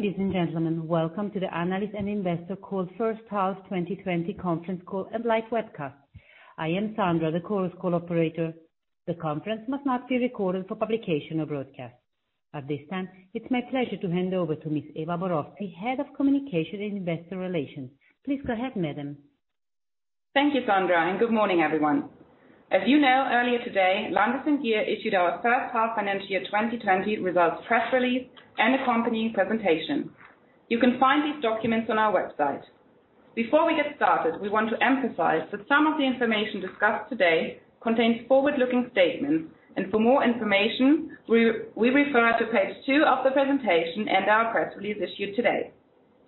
Ladies and gentlemen, welcome to the Analyst and Investor Call First Half 2020 conference call and live webcast. I am Sandra, the conference call operator. The conference must not be recorded for publication or broadcast. At this time, it's my pleasure to hand over to Ms. Eva Borowski, Head of Communication and Investor Relations. Please go ahead, madam. Thank you, Sandra, and good morning, everyone. As you know, earlier today, Landis+Gyr issued our first half financial year 2020 results press release and accompanying presentation. You can find these documents on our website. Before we get started, we want to emphasize that some of the information discussed today contains forward-looking statements, and for more information, we refer to page two of the presentation and our press release issued today.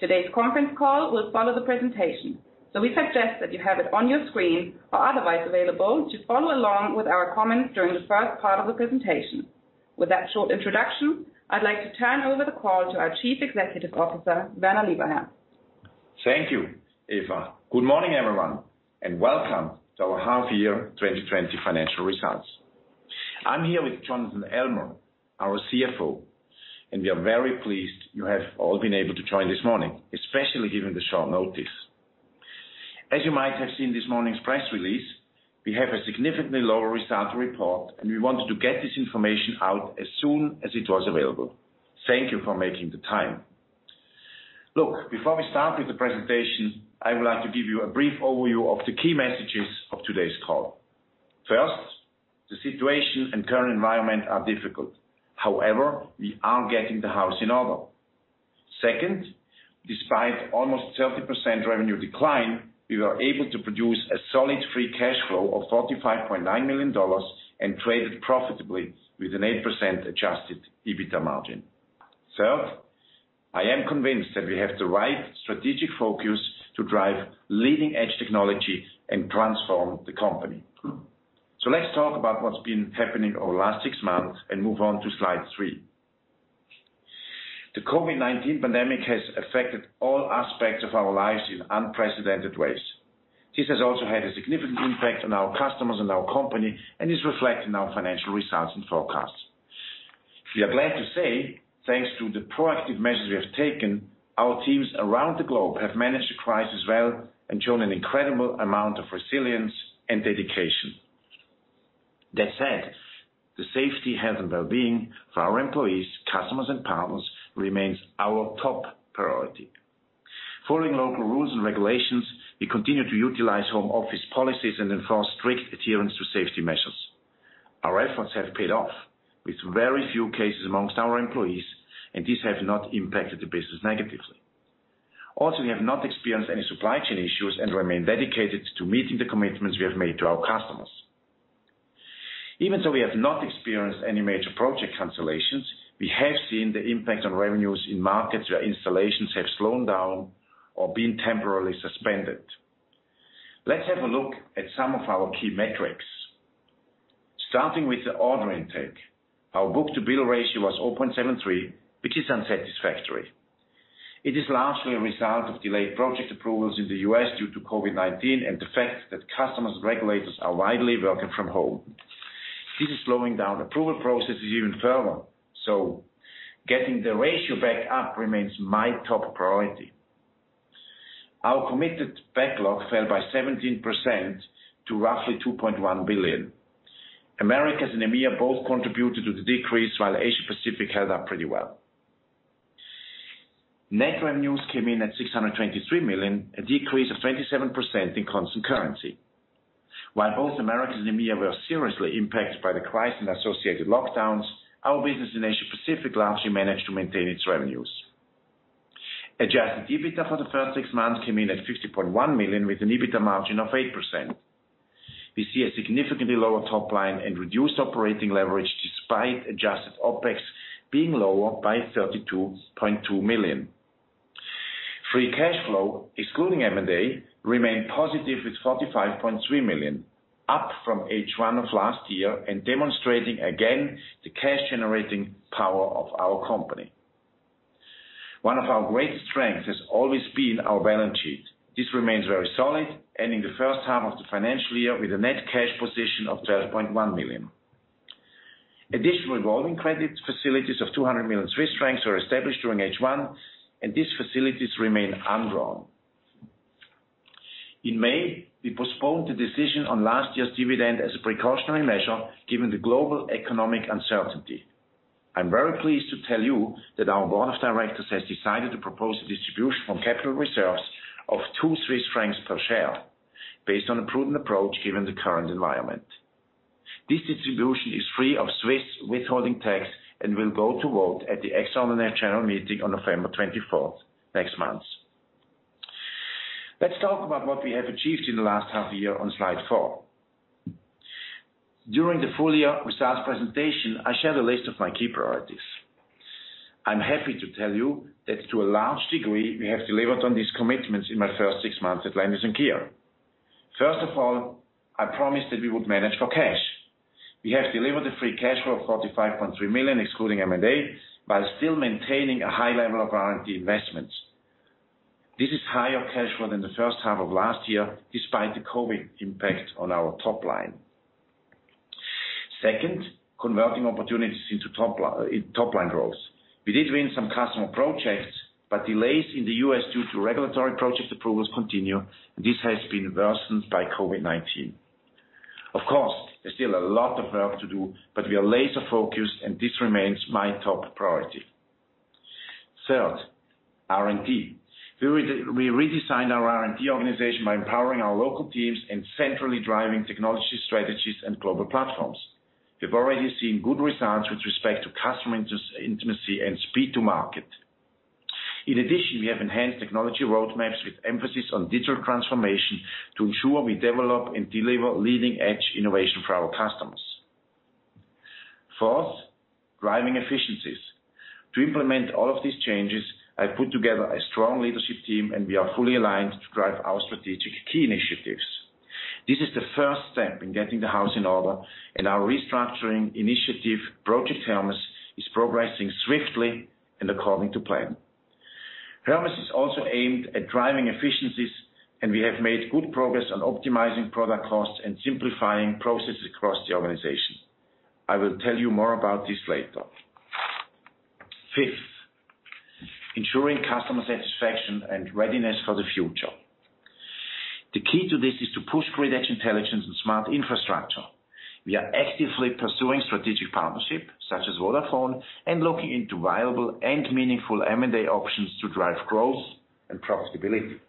Today's conference call will follow the presentation. We suggest that you have it on your screen or otherwise available to follow along with our comments during the first part of the presentation. With that short introduction, I'd like to turn over the call to our Chief Executive Officer, Werner Lieberherr. Thank you, Eva. Good morning, everyone, and welcome to our half year 2020 financial results. I'm here with Jonathan Elmer, our CFO, and we are very pleased you have all been able to join this morning, especially given the short notice. As you might have seen this morning's press release, we have a significantly lower result to report, and we wanted to get this information out as soon as it was available. Thank you for making the time. Look, before we start with the presentation, I would like to give you a brief overview of the key messages of today's call. First, the situation and current environment are difficult. However, we are getting the house in order. Second, despite almost 30% revenue decline, we were able to produce a solid free cash flow of $45.9 million and traded profitably with an 8% adjusted EBITDA margin. Third, I am convinced that we have the right strategic focus to drive leading-edge technology and transform the company. Let's talk about what's been happening over the last six months and move on to slide three. The COVID-19 pandemic has affected all aspects of our lives in unprecedented ways. This has also had a significant impact on our customers and our company and is reflected in our financial results and forecasts. We are glad to say, thanks to the proactive measures we have taken, our teams around the globe have managed the crisis well and shown an incredible amount of resilience and dedication. That said, the safety, health, and well-being for our employees, customers, and partners remains our top priority. Following local rules and regulations, we continue to utilize home office policies and enforce strict adherence to safety measures. Our efforts have paid off with very few cases amongst our employees, and these have not impacted the business negatively. We have not experienced any supply chain issues and remain dedicated to meeting the commitments we have made to our customers. Even though we have not experienced any major project cancellations, we have seen the impact on revenues in markets where installations have slowed down or been temporarily suspended. Let's have a look at some of our key metrics. Starting with the order intake. Our book-to-bill ratio was 0.73, which is unsatisfactory. It is largely a result of delayed project approvals in the U.S. due to COVID-19 and the fact that customers and regulators are widely working from home. This is slowing down approval processes even further. Getting the ratio back up remains my top priority. Our committed backlog fell by 17% to roughly $2.1 billion. Americas and EMEA both contributed to the decrease while Asia-Pacific held up pretty well. Net revenues came in at 623 million, a decrease of 27% in constant currency. While both Americas and EMEA were seriously impacted by the crisis and associated lockdowns, our business in Asia-Pacific largely managed to maintain its revenues. Adjusted EBITDA for the first six months came in at 50.1 million with an EBITDA margin of 8%. We see a significantly lower top line and reduced operating leverage despite adjusted OpEx being lower by 32.2 million. Free cash flow, excluding M&A, remained positive with 45.3 million, up from H1 of last year and demonstrating again the cash-generating power of our company. One of our great strengths has always been our balance sheet. This remains very solid, ending the first half of the financial year with a net cash position of 12.1 million. Additional revolving credit facilities of 200 million Swiss francs were established during H1, and these facilities remain undrawn. In May, we postponed the decision on last year's dividend as a precautionary measure given the global economic uncertainty. I'm very pleased to tell you that our board of directors has decided to propose a distribution from capital reserves of 2 Swiss francs per share based on a prudent approach given the current environment. This distribution is free of Swiss withholding tax and will go to vote at the extraordinary general meeting on November 24th, next month. Let's talk about what we have achieved in the last half year on slide four. During the full-year results presentation, I shared a list of my key priorities. I'm happy to tell you that to a large degree, we have delivered on these commitments in my first six months at Landis+Gyr. First of all, I promised that we would manage for cash. We have delivered a free cash flow of 45.3 million, excluding M&A, while still maintaining a high level of R&D investments. This is higher cash flow than the first half of last year, despite the COVID impact on our top line. Second, converting opportunities into top-line growth. We did win some customer projects, delays in the U.S. due to regulatory project approvals continue, and this has been worsened by COVID-19. Of course, there's still a lot of work to do, we are laser focused, this remains my top priority. Third, R&D. We redesigned our R&D organization by empowering our local teams and centrally driving technology strategies and global platforms. We've already seen good results with respect to customer intimacy and speed to market. In addition, we have enhanced technology roadmaps with emphasis on digital transformation to ensure we develop and deliver leading-edge innovation for our customers. Fourth, driving efficiencies. To implement all of these changes, I put together a strong leadership team, and we are fully aligned to drive our strategic key initiatives. This is the first step in getting the house in order, and our restructuring initiative, Project Hermes, is progressing swiftly and according to plan. Hermes is also aimed at driving efficiencies, and we have made good progress on optimizing product costs and simplifying processes across the organization. I will tell you more about this later. Fifth, ensuring customer satisfaction and readiness for the future. The key to this is to push grid edge intelligence and smart infrastructure. We are actively pursuing strategic partnership, such as Vodafone, and looking into viable and meaningful M&A options to drive growth and profitability.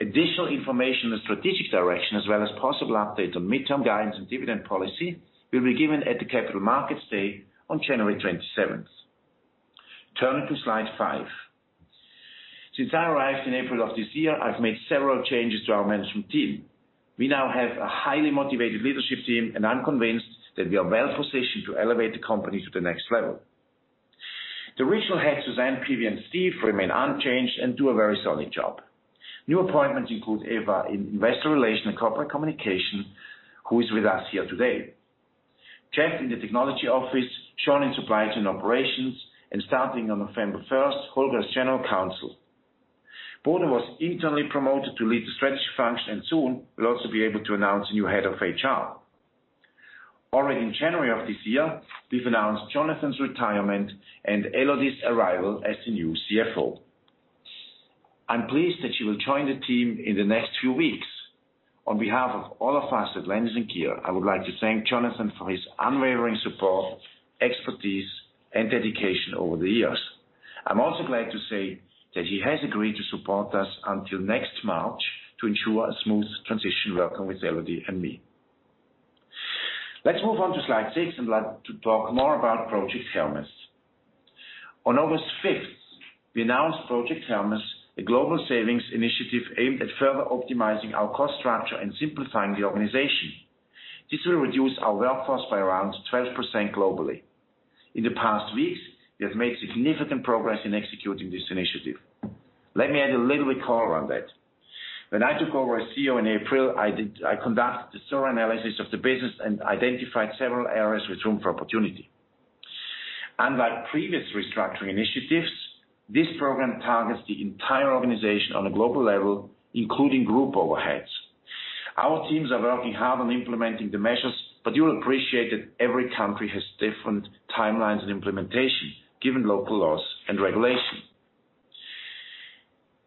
Additional information and strategic direction, as well as possible update on midterm guidance and dividend policy, will be given at the Capital Markets Day on January 27th. Turning to slide five. Since I arrived in April of this year, I've made several changes to our management team. We now have a highly motivated leadership team, and I'm convinced that we are well-positioned to elevate the company to the next level. The regional heads, Susanne, PV, and Steve, remain unchanged and do a very solid job. New appointments include Eva in investor relations and corporate communication, who is with us here today. Jeff in the technology office, Sean in supply chain operations, and starting on November 1st, Holger as General Counsel. Bruno was internally promoted to lead the strategy function and soon will also be able to announce a new Head of HR. Already in January of this year, we've announced Jonathan's retirement and Elodie's arrival as the new CFO. I'm pleased that she will join the team in the next few weeks. On behalf of all of us at Landis+Gyr, I would like to thank Jonathan for his unwavering support, expertise, and dedication over the years. I'm also glad to say that he has agreed to support us until next March to ensure a smooth transition working with Elodie and me. Let's move on to slide six. I'd like to talk more about Project Hermes. On August 5th, we announced Project Hermes, a global savings initiative aimed at further optimizing our cost structure and simplifying the organization. This will reduce our workforce by around 12% globally. In the past weeks, we have made significant progress in executing this initiative. Let me add a little bit color on that. When I took over as CEO in April, I conducted a thorough analysis of the business and identified several areas with room for opportunity. Unlike previous restructuring initiatives, this program targets the entire organization on a global level, including group overheads. Our teams are working hard on implementing the measures, but you will appreciate that every country has different timelines and implementation, given local laws and regulation.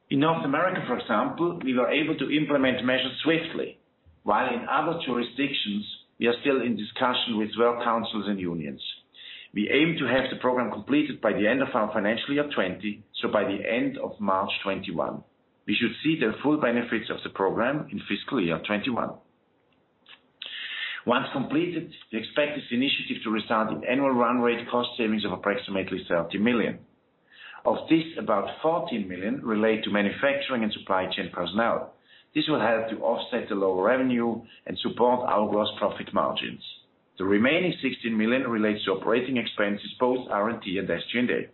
In North America, for example, we were able to implement measures swiftly, while in other jurisdictions, we are still in discussion with work councils and unions. We aim to have the program completed by the end of our financial year 2020, so by the end of March 2021. We should see the full benefits of the program in fiscal year 2021. Once completed, we expect this initiative to result in annual run rate cost savings of approximately $30 million. Of this, about 14 million relate to manufacturing and supply chain personnel. This will help to offset the lower revenue and support our gross profit margins. The remaining 16 million relates to operating expenses, both R&D and SG&A.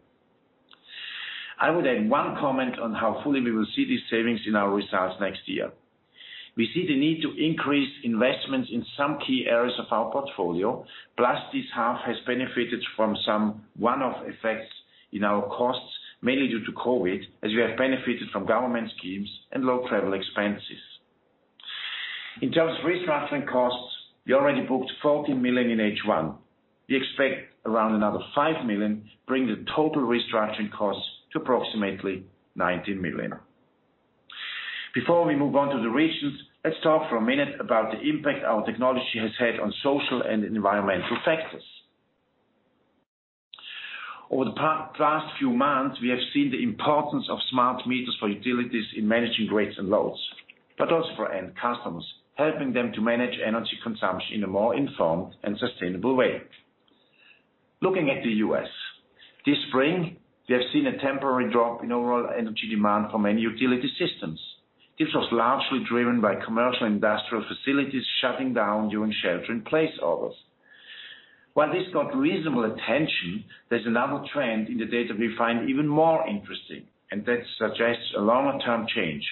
I would add one comment on how fully we will see these savings in our results next year. We see the need to increase investments in some key areas of our portfolio, plus this half has benefited from some one-off effects in our costs, mainly due to COVID-19, as we have benefited from government schemes and low travel expenses. In terms of restructuring costs, we already booked 14 million in H1. We expect around another 5 million, bringing the total restructuring costs to approximately 19 million. Before we move on to the regions, let's talk for a minute about the impact our technology has had on social and environmental factors. Over the past few months, we have seen the importance of smart meters for utilities in managing grids and loads, but also for end customers, helping them to manage energy consumption in a more informed and sustainable way. Looking at the U.S. This spring, we have seen a temporary drop in overall energy demand for many utility systems. This was largely driven by commercial industrial facilities shutting down during shelter-in-place orders. While this got reasonable attention, there's another trend in the data we find even more interesting, and that suggests a longer-term change.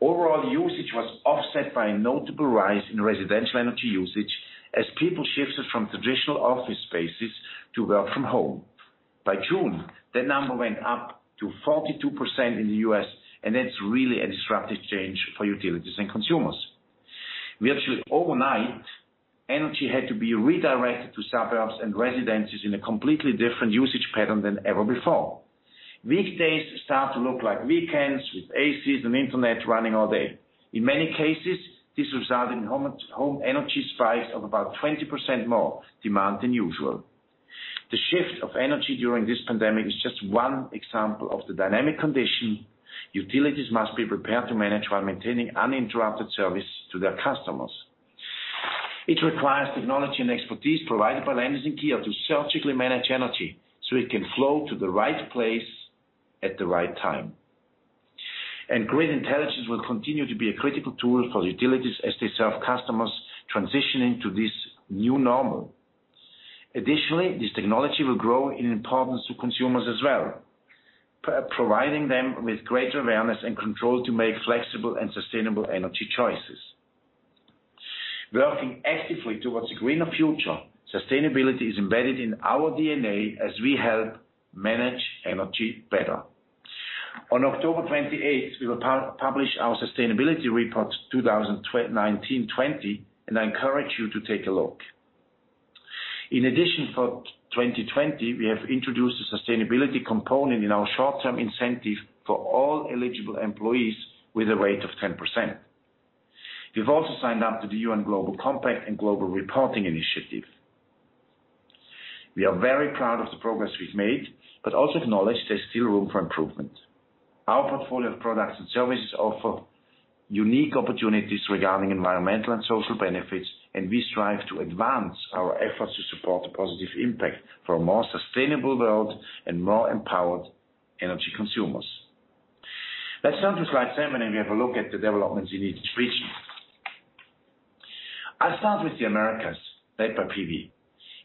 Overall usage was offset by a notable rise in residential energy usage as people shifted from traditional office spaces to work from home. By June, that number went up to 42% in the U.S., and that's really a disruptive change for utilities and consumers. Virtually overnight, energy had to be redirected to suburbs and residences in a completely different usage pattern than ever before. Weekdays start to look like weekends with ACs and internet running all day. In many cases, this resulted in home energy spikes of about 20% more demand than usual. The shift of energy during this pandemic is just one example of the dynamic condition utilities must be prepared to manage while maintaining uninterrupted service to their customers. It requires technology and expertise provided by Landis+Gyr to surgically manage energy so it can flow to the right place at the right time. Grid Intelligence will continue to be a critical tool for utilities as they serve customers transitioning to this new normal. Additionally, this technology will grow in importance to consumers as well, providing them with greater awareness and control to make flexible and sustainable energy choices. Working actively towards a greener future, sustainability is embedded in our DNA as we help manage energy better. On October 28, we will publish our Sustainability Report 2019/2020, and I encourage you to take a look. In addition, for 2020, we have introduced a sustainability component in our short-term incentive for all eligible employees with a rate of 10%. We've also signed up to the UN Global Compact and Global Reporting Initiative. We are very proud of the progress we've made, but also acknowledge there's still room for improvement. Our portfolio of products and services offer unique opportunities regarding environmental and social benefits, and we strive to advance our efforts to support a positive impact for a more sustainable world and more empowered energy consumers. Let's turn to slide seven, and we have a look at the developments in each region. I'll start with the Americas, led by PV.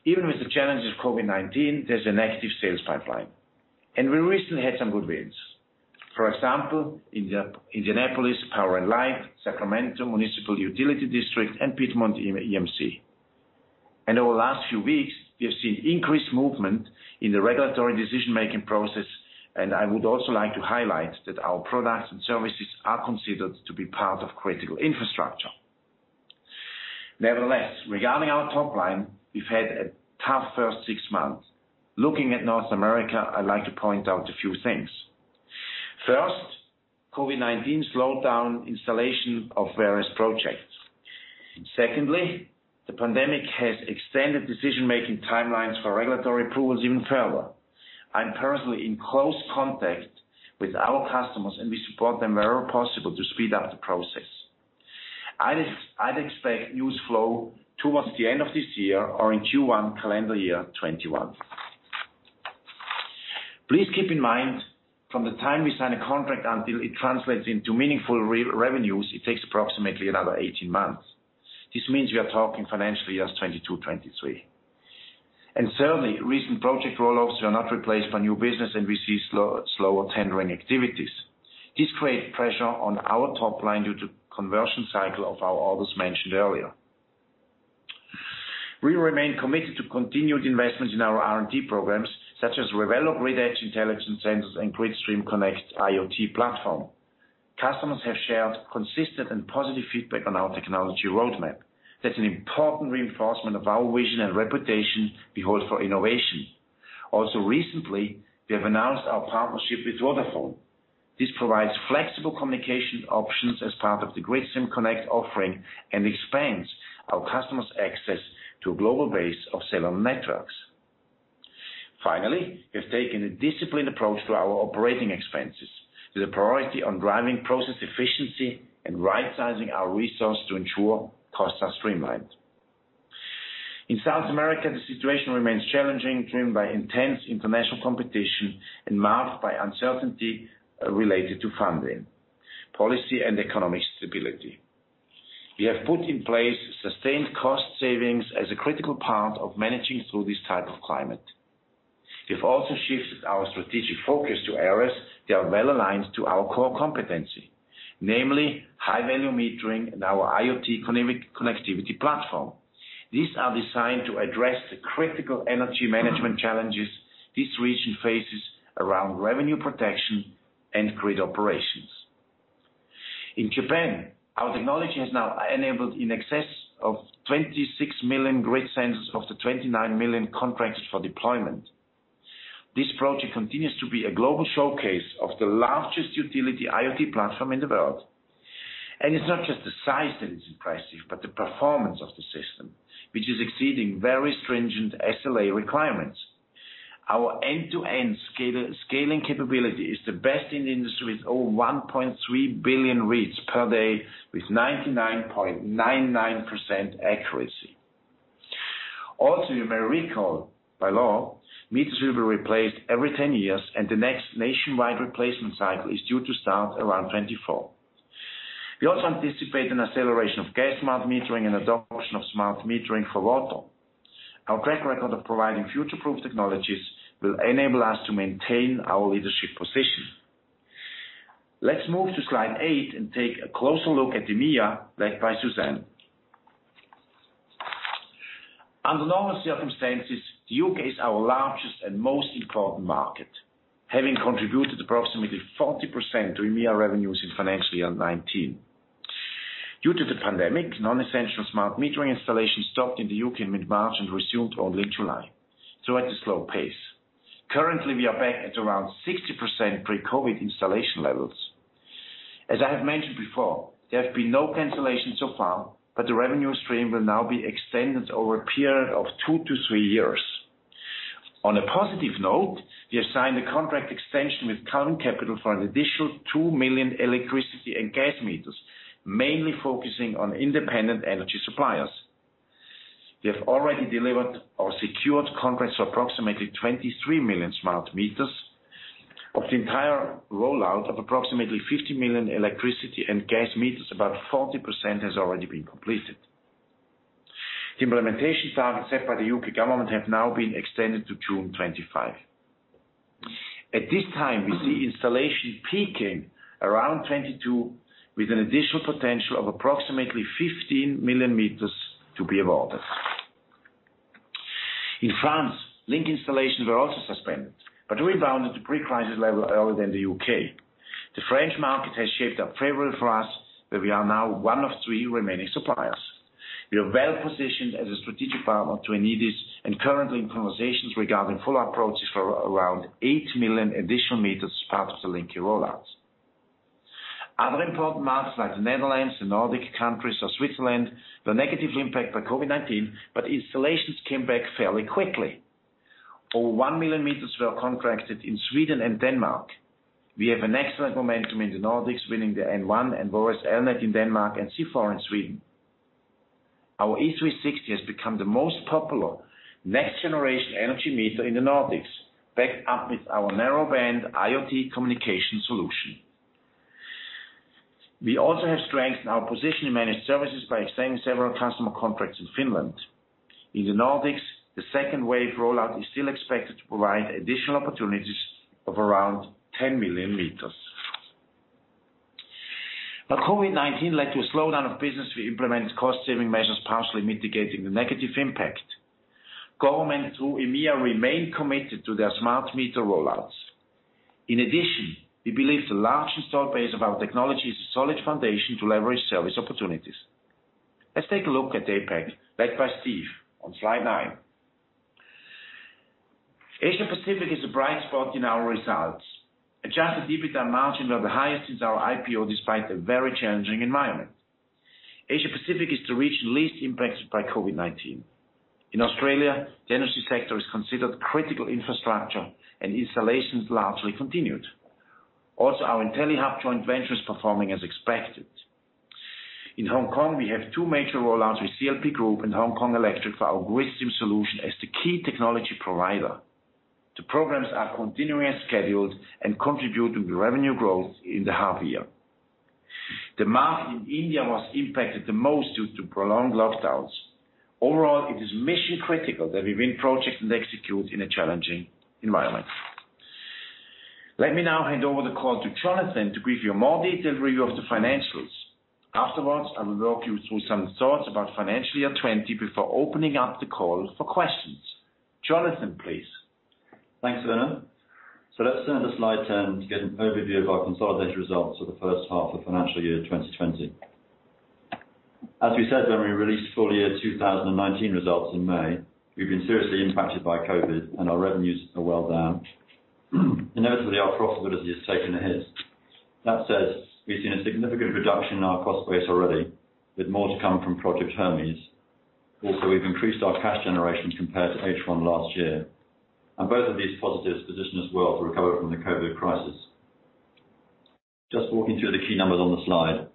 Even with the challenges of COVID-19, there's an active sales pipeline. We recently had some good wins. For example, Indianapolis Power and Light, Sacramento Municipal Utility District, and Piedmont EMC. Over the last few weeks, we have seen increased movement in the regulatory decision-making process, and I would also like to highlight that our products and services are considered to be part of critical infrastructure. Nevertheless, regarding our top line, we've had a tough first six months. Looking at North America, I'd like to point out a few things. First, COVID-19 slowed down installation of various projects. Secondly, the pandemic has extended decision-making timelines for regulatory approvals even further. I'm personally in close contact with our customers, and we support them wherever possible to speed up the process. I'd expect news flow towards the end of this year or in Q1 calendar year 2021. Please keep in mind, from the time we sign a contract until it translates into meaningful revenues, it takes approximately another 18 months. Means we are talking financial years 2022, 2023. Thirdly, recent project roll-offs were not replaced by new business, and we see slower tendering activities. Creates pressure on our top line due to conversion cycle of our orders mentioned earlier. We remain committed to continued investment in our R&D programs, such as Revelo Grid Edge Intelligence Sensors, and Gridstream Connect IoT platform. Customers have shared consistent and positive feedback on our technology roadmap. That's an important reinforcement of our vision and reputation we hold for innovation. Recently, we have announced our partnership with Vodafone. Provides flexible communication options as part of the Gridstream Connect offering and expands our customers' access to a global base of cellular networks. Finally, we've taken a disciplined approach to our operating expenses, with a priority on driving process efficiency and right-sizing our resource to ensure costs are streamlined. In South America, the situation remains challenging, driven by intense international competition and marked by uncertainty related to funding, policy, and economic stability. We have put in place sustained cost savings as a critical part of managing through this type of climate. We've also shifted our strategic focus to areas that are well-aligned to our core competency, namely high-value metering and our IoT connectivity platform. These are designed to address the critical energy management challenges this region faces around revenue protection and grid operations. In Japan, our technology has now enabled in excess of 26 million grid sensors of the 29 million contracted for deployment. This project continues to be a global showcase of the largest utility IoT platform in the world. It's not just the size that is impressive, but the performance of the system, which is exceeding very stringent SLA requirements. Our end-to-end scaling capability is the best in the industry, with over 1.3 billion reads per day with 99.99% accuracy. Also, you may recall, by law, meters will be replaced every 10 years, and the next nationwide replacement cycle is due to start around 2024. We also anticipate an acceleration of gas smart metering and adoption of smart metering for water. Our track record of providing future-proof technologies will enable us to maintain our leadership position. Let's move to slide eight and take a closer look at EMEA, led by Suzanne. Under normal circumstances, the U.K. is our largest and most important market, having contributed approximately 40% to EMEA revenues in financial year 2019. Due to the pandemic, non-essential smart metering installations stopped in the U.K. in mid-March and resumed only in July. At a slow pace. Currently, we are back at around 60% pre-COVID installation levels. As I have mentioned before, there have been no cancellations so far, but the revenue stream will now be extended over a period of two to three years. On a positive note, we have signed a contract extension with Capita for an additional 2 million electricity and gas meters, mainly focusing on independent energy suppliers. We have already delivered or secured contracts for approximately 23 million smart meters. Of the entire rollout of approximately 50 million electricity and gas meters, about 40% has already been completed. The implementation targets set by the U.K. government have now been extended to June 2025. At this time, we see installation peaking around 2022, with an additional potential of approximately 15 million meters to be awarded. In France, Linky installations were also suspended, but rebounded to pre-crisis level earlier than the U.K. The French market has shaped up favorably for us, where we are now one of three remaining suppliers. We are well-positioned as a strategic partner to Enedis, and currently in conversations regarding follow-up approaches for around 8 million additional meters as part of the Linky rollout. Other important markets like the Netherlands, the Nordic countries or Switzerland, were negatively impacted by COVID-19, but installations came back fairly quickly. Over 1 million meters were contracted in Sweden and Denmark. We have an excellent momentum in the Nordics, winning the N1 and Vores Elnet in Denmark, and C4 in Sweden. Our E360 has become the most popular next-generation energy meter in the Nordics, backed up with our narrowband IoT communication solution. We also have strengthened our position in managed services by extending several customer contracts in Finland. In the Nordics, the second wave rollout is still expected to provide additional opportunities of around 10 million meters. COVID-19 led to a slowdown of business. We implemented cost-saving measures, partially mitigating the negative impact. Governments through EMEA remain committed to their smart meter rollouts. In addition, we believe the large install base of our technology is a solid foundation to leverage service opportunities. Let's take a look at the APAC, led by Steve on slide nine. Asia Pacific is a bright spot in our results. Adjusted EBITDA margins are the highest since our IPO, despite a very challenging environment. Asia Pacific is the region least impacted by COVID-19. In Australia, the energy sector is considered critical infrastructure, and installations largely continued. Also, our Intellihub joint venture is performing as expected. In Hong Kong, we have two major rollouts with CLP Group and Hongkong Electric for our Gridstream solution as the key technology provider. The programs are continuing as scheduled and contribute to the revenue growth in the half year. The market in India was impacted the most due to prolonged lockdowns. Overall, it is mission critical that we win projects and execute in a challenging environment. Let me now hand over the call to Jonathan to give you a more detailed review of the financials. Afterwards, I will walk you through some thoughts about financial year 2020 before opening up the call for questions. Jonathan, please. Thanks, Werner. Let's turn to slide 10 to get an overview of our consolidated results for the first half of financial year 2020. As we said when we released full year 2019 results in May, we've been seriously impacted by COVID, and our revenues are well down. Inevitably, our profitability has taken a hit. That said, we've seen a significant reduction in our cost base already, with more to come from Project Hermes. Also, we've increased our cash generation compared to H1 last year, and both of these positives position us well to recover from the COVID crisis. Just walking through the key numbers on the slide.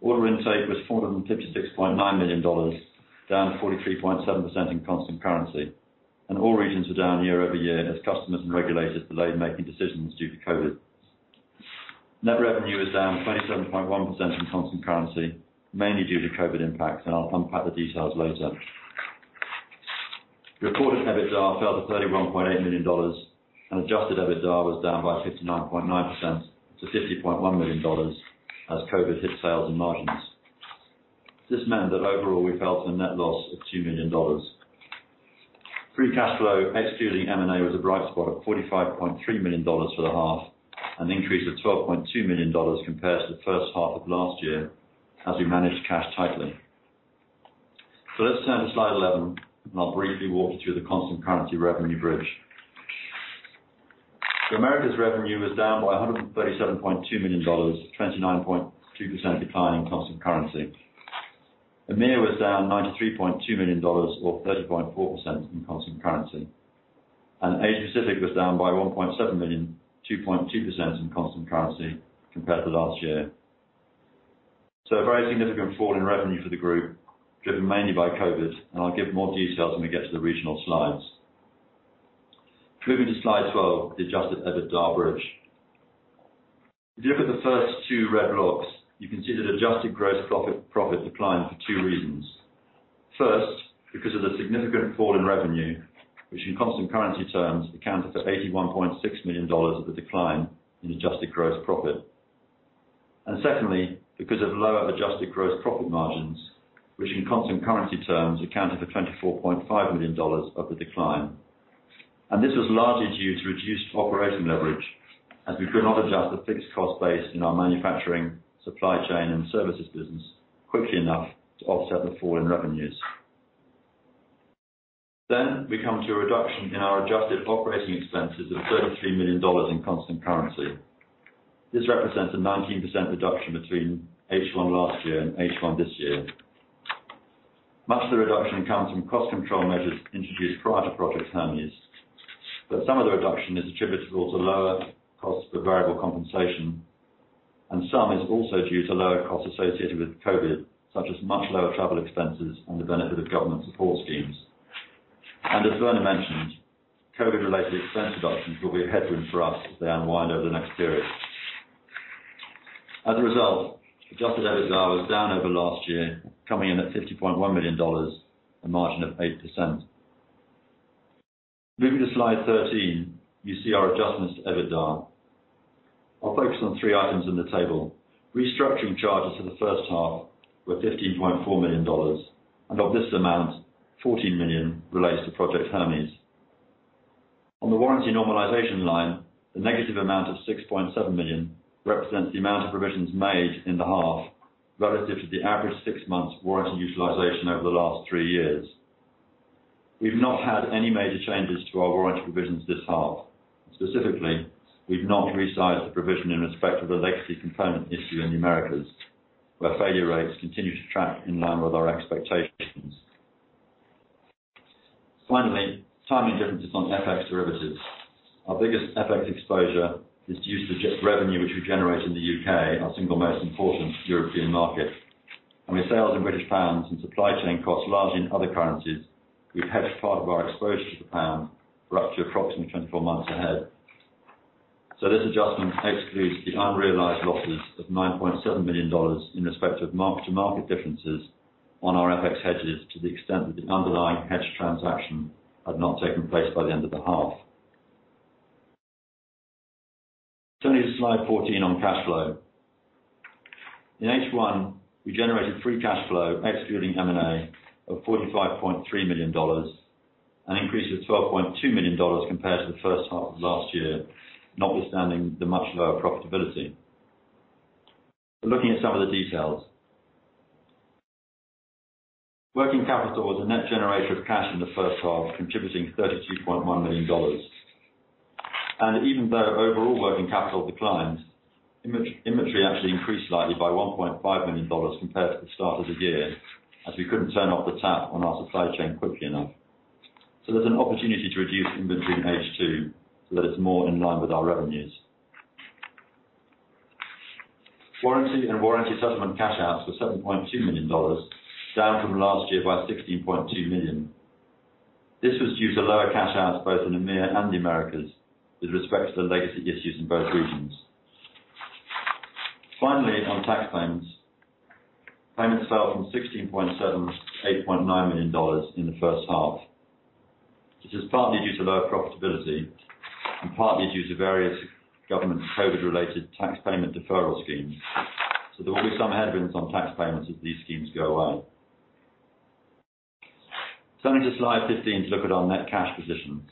Order intake was $456.9 million, down 43.7% in constant currency, and all regions are down year over year as customers and regulators delayed making decisions due to COVID. Net revenue is down 27.1% in constant currency, mainly due to COVID-19 impacts, and I'll unpack the details later. Recorded EBITDA fell to $31.8 million, and adjusted EBITDA was down by 59.9% to $50.1 million as COVID-19 hit sales and margins. This meant that overall, we fell to a net loss of $2 million. Free cash flow, excluding M&A, was a bright spot of $45.3 million for the half, an increase of $12.2 million compared to the first half of last year as we managed cash tightly. Let's turn to slide 11, and I'll briefly walk you through the constant currency revenue bridge. The Americas revenue was down by $137.2 million, 29.2% decline in constant currency. EMEA was down $93.2 million or 30.4% in constant currency. Asia Pacific was down by $1.7 million, 2.2% in constant currency compared to last year. A very significant fall in revenue for the group, driven mainly by COVID-19, and I'll give more details when we get to the regional slides. Flipping to slide 12, the adjusted EBITDA bridge. If you look at the first two red blocks, you can see that adjusted gross profit declined for two reasons. First, because of the significant fall in revenue, which in constant currency terms accounted for $81.6 million of the decline in adjusted gross profit. Secondly, because of lower adjusted gross profit margins, which in constant currency terms accounted for $24.5 million of the decline. This was largely due to reduced operating leverage, as we could not adjust the fixed cost base in our manufacturing supply chain and services business quickly enough to offset the fall in revenues. We come to a reduction in our adjusted operating expenses of $33 million in constant currency. This represents a 19% reduction between H1 last year and H1 this year. Much of the reduction comes from cost control measures introduced prior to Project Hermes, but some of the reduction is attributable to lower costs for variable compensation, and some is also due to lower costs associated with COVID, such as much lower travel expenses and the benefit of government support schemes. As Werner mentioned, COVID-related expense reductions will be a headroom for us as they unwind over the next period. As a result, adjusted EBITDA was down over last year, coming in at $50.1 million, a margin of 8%. Moving to slide 13, you see our adjustments to EBITDA. I'll focus on three items in the table. Restructuring charges for the first half were $15.4 million, and of this amount, $14 million relates to Project Hermes. On the warranty normalization line, the negative amount of $6.7 million represents the amount of provisions made in the half relative to the average six months warranty utilization over the last three years. We've not had any major changes to our warranty provisions this half. Specifically, we've not resized the provision in respect of a legacy component issue in the Americas, where failure rates continue to track in line with our expectations. Finally, timing differences on FX derivatives. Our biggest FX exposure is due to revenue which we generate in the U.K., our single most important European market, and we sell in British pounds and supply chain costs largely in other currencies. We hedge part of our exposure to the pound for up to approximately 24 months ahead. This adjustment excludes the unrealized losses of $9.7 million in respect of mark-to-market differences on our FX hedges to the extent that the underlying hedge transaction had not taken place by the end of the half. Turning to slide 14 on cash flow. In H1, we generated free cash flow excluding M&A of $45.3 million, an increase of $12.2 million compared to the first half of last year, notwithstanding the much lower profitability. Looking at some of the details. Working capital was a net generator of cash in the first half, contributing $32.1 million. Even though overall working capital declined, inventory actually increased slightly by $1.5 million compared to the start of the year, as we couldn't turn off the tap on our supply chain quickly enough. There's an opportunity to reduce inventory in H2 so that it's more in line with our revenues. Warranty and warranty settlement cash outs were $7.2 million, down from last year by $16.2 million. This was due to lower cash outs both in EMEA and the Americas with respect to the legacy issues in both regions. On tax claims fell from $16.7, $8.9 million in the first half. This is partly due to lower profitability and partly due to various government COVID-related tax payment deferral schemes. There will be some headwinds on tax payments as these schemes go away. Turning to slide 15 to look at our net cash position.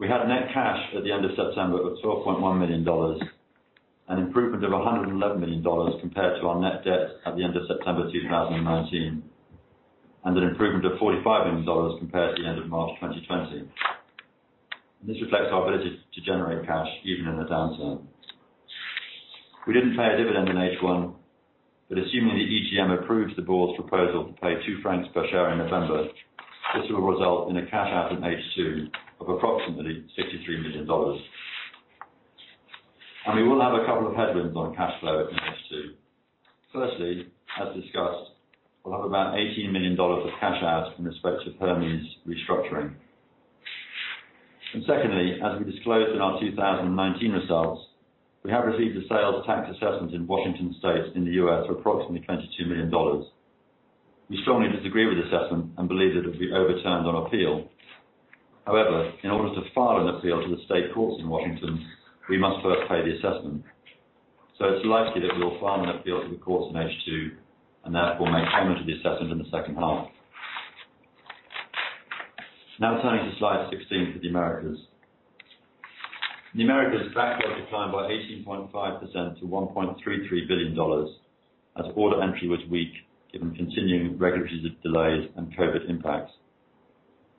We had net cash at the end of September of $12.1 million, an improvement of $111 million compared to our net debt at the end of September 2019, and an improvement of $45 million compared to the end of March 2020. This reflects our ability to generate cash even in a downturn. We didn't pay a dividend in H1. Assuming the EGM approves the board's proposal to pay 2 francs per share in November, this will result in a cash out in H2 of approximately $63 million. We will have a couple of headwinds on cash flow in H2. Firstly, as discussed, we'll have about $18 million of cash out in respect to Hermes restructuring. Secondly, as we disclosed in our 2019 results, we have received a sales tax assessment in Washington State in the U.S. for approximately $22 million. We strongly disagree with assessment and believe that it will be overturned on appeal. However, in order to file an appeal to the state courts in Washington, we must first pay the assessment. It's likely that we will file an appeal to the courts in H2, and therefore, make payment of the assessment in the second half. Now turning to slide 16 for the Americas. In the Americas, backlogs declined by 18.5% to $1.33 billion, as order entry was weak given continuing regulatory delays and COVID-19 impacts.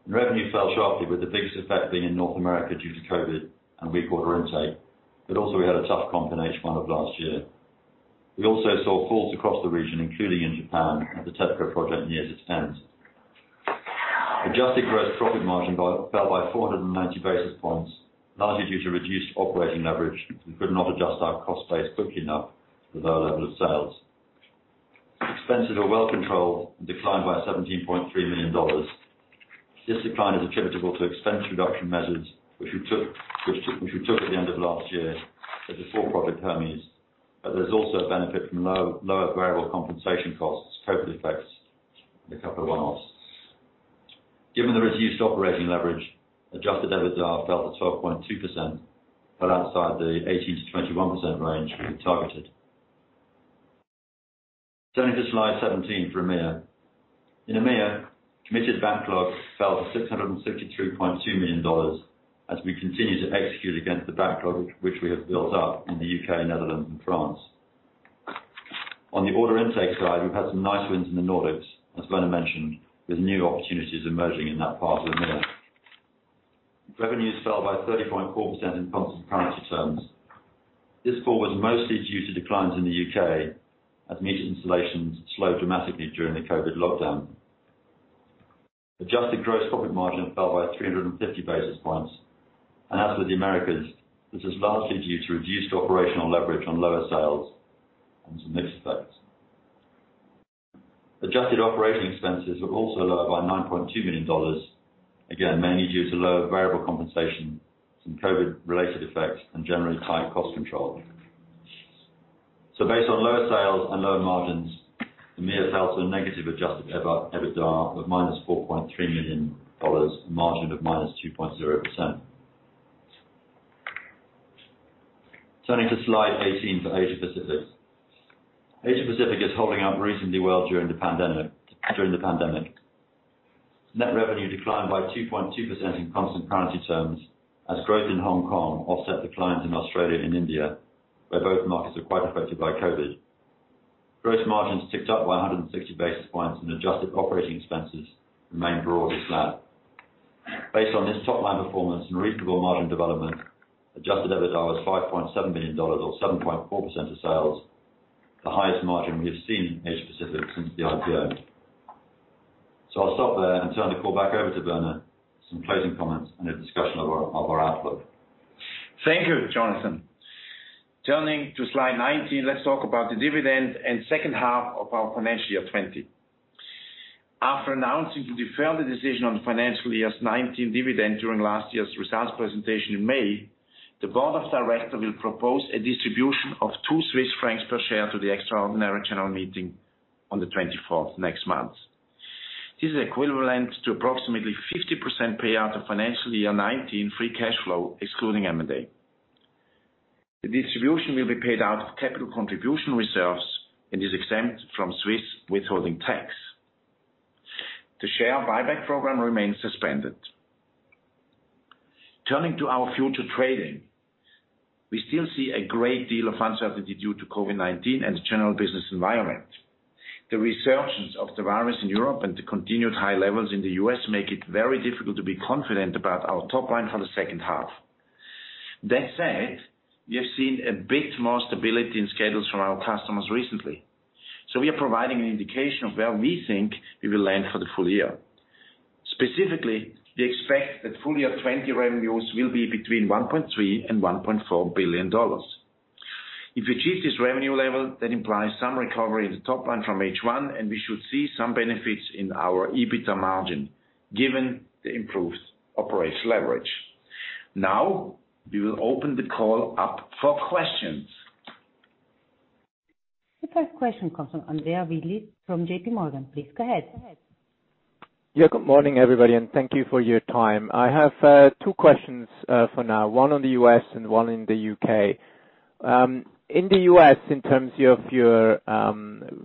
Revenue fell sharply with the biggest effect being in North America due to COVID-19 and weak order intake, but also we had a tough comp in H1 of last year. We also saw falls across the region, including in Japan, as the TEPCO project nears its end. Adjusted gross profit margin fell by 490 basis points, largely due to reduced operating leverage, as we could not adjust our cost base quickly enough with our level of sales. Expenses are well controlled and declined by $17.3 million. This decline is attributable to expense reduction measures which we took at the end of last year before Project Hermes, there's also a benefit from lower variable compensation costs, COVID effects and a couple of one-offs. Given the reduced operating leverage, adjusted EBITDA fell to 12.2%, outside the 18%-21% range we targeted. Turning to slide 17 for EMEA. In EMEA, committed backlog fell to $663.2 million, as we continue to execute against the backlog which we have built up in the U.K., Netherlands and France. On the order intake side, we've had some nice wins in the Nordics, as Werner mentioned, with new opportunities emerging in that part of EMEA. Revenues fell by 30.4% in constant currency terms. This fall was mostly due to declines in the U.K., as meter installations slowed dramatically during the COVID lockdown. Adjusted gross profit margin fell by 350 basis points. As with the Americas, this is largely due to reduced operational leverage on lower sales and some mix effects. Adjusted operating expenses were also lower by CHF 9.2 million. Again, mainly due to lower variable compensation, some COVID related effects, and generally tight cost control. Based on lower sales and lower margins, EMEA fell to a negative adjusted EBITDA of -CHF 4.3 million, a margin of -2.0%. Turning to slide 18 for Asia-Pacific. Asia-Pacific is holding up reasonably well during the pandemic. Net revenue declined by 2.2% in constant currency terms, as growth in Hong Kong offset declines in Australia and India, where both markets are quite affected by COVID. Gross margins ticked up by 160 basis points and adjusted operating expenses remained broadly flat. Based on this top-line performance and reasonable margin development, adjusted EBITDA was $5.7 million or 7.4% of sales, the highest margin we have seen in Asia-Pacific since the IPO. I'll stop there and turn the call back over to Werner for some closing comments and a discussion of our outlook. Thank you, Jonathan. Turning to slide 19, let's talk about the dividend and second half of our financial year 2020. After announcing to defer the decision on financial year 2019's dividend during last year's results presentation in May, the board of director will propose a distribution of 2 Swiss francs per share to the extraordinary general meeting on the 24th, next month. This is equivalent to approximately 50% payout of financial year 2019 free cash flow, excluding M&A. The distribution will be paid out of capital contribution reserves and is exempt from Swiss withholding tax. The share buyback program remains suspended. Turning to our future trading. We still see a great deal of uncertainty due to COVID-19 and the general business environment. The resurgence of the virus in Europe and the continued high levels in the U.S. make it very difficult to be confident about our top line for the second half. That said, we have seen a bit more stability in schedules from our customers recently. We are providing an indication of where we think we will land for the full year. Specifically, we expect that full-year 2020 revenues will be $1.3 billion-$1.4 billion. If we achieve this revenue level, that implies some recovery in the top line from H1, and we should see some benefits in our EBITDA margin, given the improved operational leverage. Now, we will open the call up for questions. The first question comes from Andreas Willi from J.P. Morgan. Please go ahead. Good morning, everybody, and thank you for your time. I have two questions for now, one on the U.S. and one in the U.K. In the U.S., in terms of your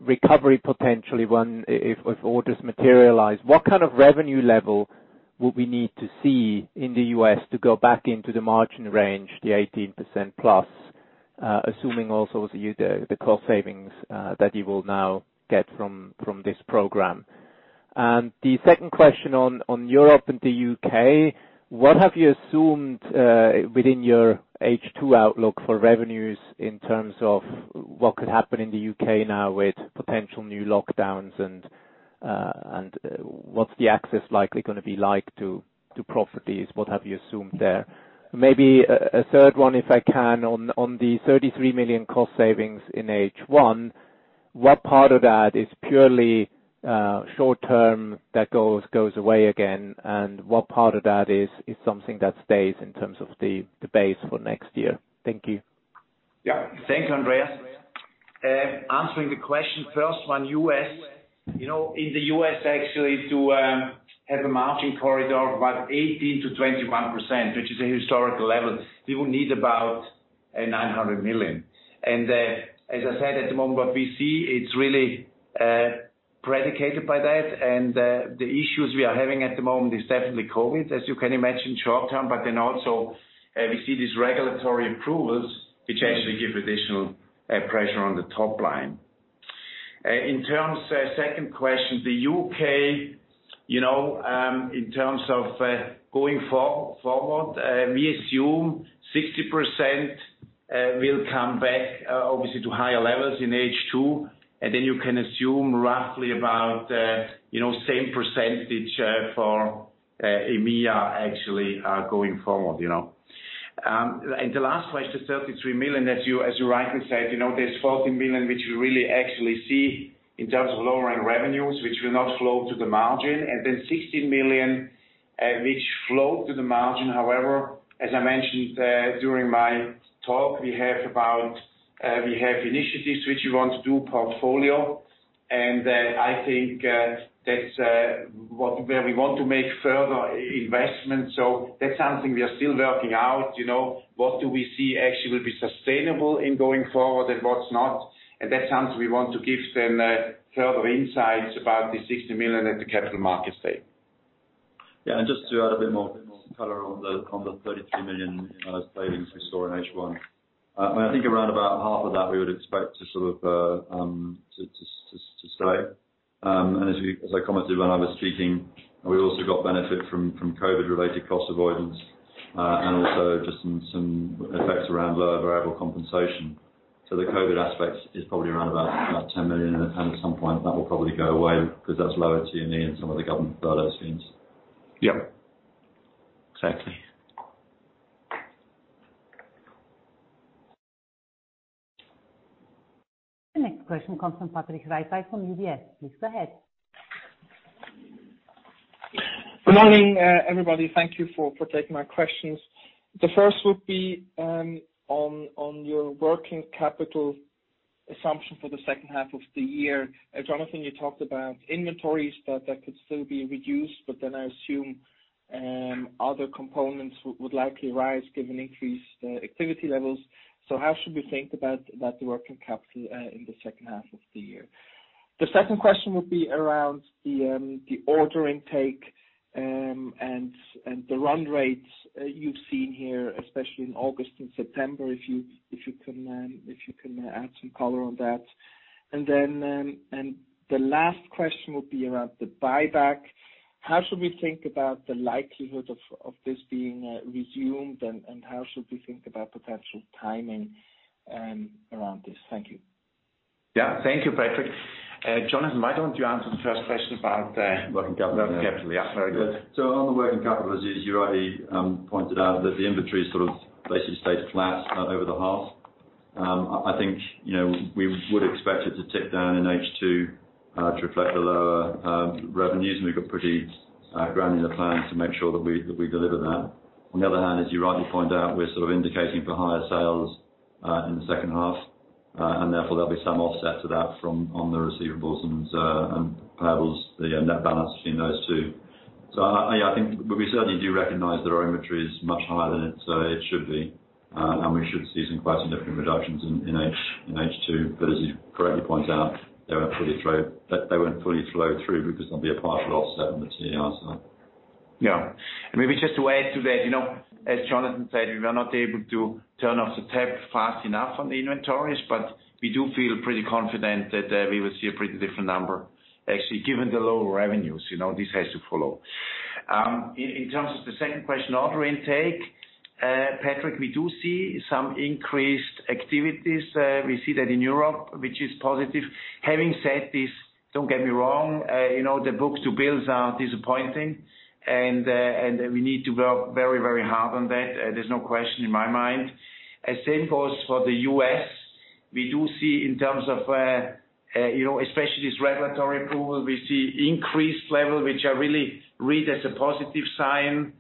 recovery potentially if orders materialize, what kind of revenue level would we need to see in the U.S. to go back into the margin range, the 18%+, assuming also the cost savings that you will now get from this program? The second question on Europe and the U.K., what have you assumed within your H2 outlook for revenues in terms of what could happen in the U.K. now with potential new lockdowns and what's the access likely going to be like to properties? What have you assumed there? Maybe a third one, if I can, on the 33 million cost savings in H1, what part of that is purely short-term that goes away again? What part of that is something that stays in terms of the base for next year? Thank you. Thank you, Andreas. Answering the question, first one, U.S. In the U.S. actually, to have a margin corridor of about 18%-21%, which is a historical level, we will need about $900 million. As I said, at the moment, what we see, it's really predicated by that. The issues we are having at the moment is definitely COVID, as you can imagine, short-term, we also see these regulatory approvals which actually give additional pressure on the top line. In terms, second question, the U.K., in terms of going forward, we assume 60% will come back obviously to higher levels in H2, you can assume roughly about same percentage for EMEA actually, going forward. The last question, 33 million, as you rightly said, there's 14 million which we really actually see in terms of lower end revenues, which will not flow to the margin. 16 million which flowed to the margin. As I mentioned during my talk, we have initiatives which we want to do portfolio, and I think that's where we want to make further investments. That's something we are still working out. What do we see actually will be sustainable in going forward and what's not? That's something we want to give then further insights about the 60 million at the capital market stage. Yeah. Just to add a bit more color on the 33 million savings we saw in H1. I think around about half of that we would expect to stay. As I commented when I was speaking, we also got benefit from COVID-related cost avoidance, and also just some effects around lower variable compensation. The COVID aspect is probably around about 10 million, and at some point that will probably go away because that's lower T&E and some of the government furlough schemes. Yep. Exactly. The next question comes from Patrick Reitberg from UBS. Please go ahead. Good morning, everybody. Thank you for taking my questions. The first would be on your working capital assumption for the second half of the year. Jonathan, you talked about inventories that could still be reduced, I assume other components would likely rise given increased activity levels. How should we think about the working capital in the second half of the year? The second question would be around the order intake and the run rates you've seen here, especially in August and September, if you can add some color on that. The last question would be around the buyback. How should we think about the likelihood of this being resumed, and how should we think about potential timing around this? Thank you. Yeah. Thank you, Patrick. Jonathan, why don't you answer the first question about working capital? On the working capital, as you rightly pointed out that the inventory basically stayed flat over the half. I think, we would expect it to tick down in H2 to reflect the lower revenues, and we've got pretty granular plans to make sure that we deliver that. Therefore, there'll be some offset to that from on the receivables and payables, the net balance between those two. I think we certainly do recognize that our inventory is much higher than it should be. We should see some quite significant reductions in H2. As you correctly point out, they won't fully flow through because there'll be a partial offset on the AR side. Yeah. Maybe just to add to that, as Jonathan said, we were not able to turn off the tap fast enough on the inventories, but we do feel pretty confident that we will see a pretty different number actually, given the lower revenues. This has to follow. In terms of the second question, order intake. Patrick, we do see some increased activities. We see that in Europe, which is positive. Having said this, don't get me wrong. The book-to-bills are disappointing and we need to work very hard on that. There is no question in my mind. Same goes for the U.S. We do see in terms of, especially this regulatory approval, we see increased level, which I really read as a positive sign